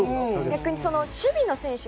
逆に、守備の選手。